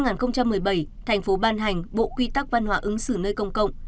năm hai nghìn một mươi bảy thành phố ban hành bộ quy tắc văn hóa ứng xử nơi công cộng